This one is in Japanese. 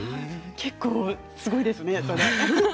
結構すごいですね。